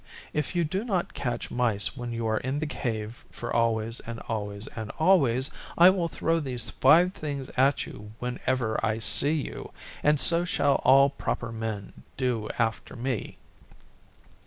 If you do not catch mice when you are in the Cave for always and always and always, I will throw these five things at you whenever I see you, and so shall all proper Men do after me.